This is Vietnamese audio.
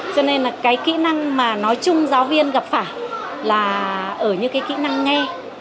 cho nên là cái kỹ năng mà nói chung giáo viên gặp phải là ở như cái kỹ năng nghe